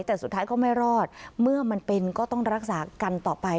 แต่สุดท้ายก็ไม่รอดเมื่อมันเป็นก็ต้องรักษากันต่อไป